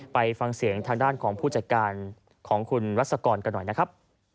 ไปฟังเสียงทางด้านของผู้จัดการของคุณรัศกรกันหน่อยนะครับ